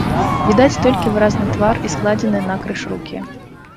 Відаць толькі выразны твар і складзеныя накрыж рукі.